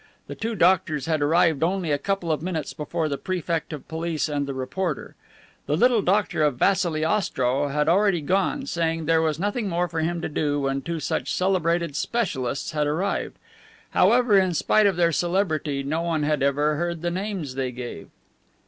The two doctors had arrived only a couple of minutes before the Prefect of Police and the reporter. The little doctor of Vassili Ostrow had already gone, saying there was nothing more for him to do when two such celebrated specialists had arrived. However, in spite of their celebrity, no one had ever heard the names they gave.